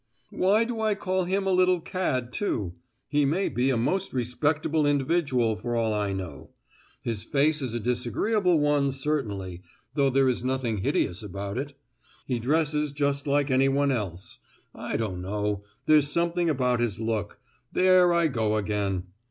Why do I call him a little cad, too? he may be a most respectable individual for all I know! His face is a disagreeable one, certainly, though there is nothing hideous about it! He dresses just like anyone else. I don't know—there's something about his look—There I go again!